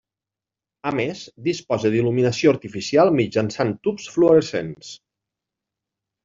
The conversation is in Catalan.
A més, disposa d'il·luminació artificial mitjançant tubs fluorescents.